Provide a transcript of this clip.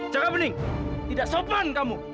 caka pening tidak sopan kamu